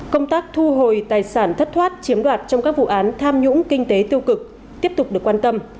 công tác thu hồi tài sản thất thoát chiếm đoạt trong các vụ án tham nhũng kinh tế tiêu cực tiếp tục được quan tâm